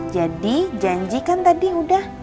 jadi janjikan tadi udah